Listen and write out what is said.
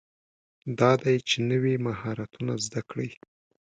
دا دی چې نوي مهارتونه زده کړئ.